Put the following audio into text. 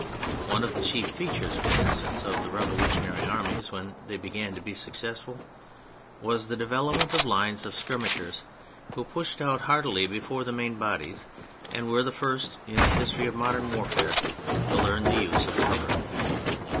One of the chief features, for instance, of the revolutionary armies when they began to be successful, was the development of lines of skirmishers who pushed out hardily before the main bodies and were the first in the history of modern warfare to learn the use of cover.